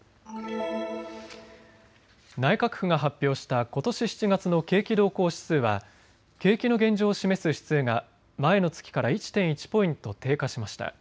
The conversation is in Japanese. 内閣府が発表したことし７月の景気動向指数は景気の現状を示す指数が前の月から１．１ポイント低下しました。